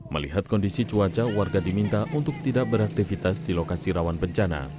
melihat kondisi cuaca warga diminta untuk tidak beraktivitas di lokasi rawan bencana